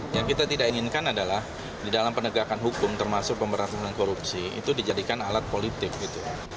yang kita tidak inginkan adalah di dalam penegakan hukum termasuk pemberantasan korupsi itu dijadikan alat politik gitu